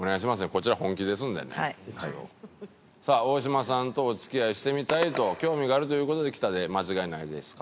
さあ大島さんとお付き合いしてみたいと興味があるという事で来たで間違いないですか？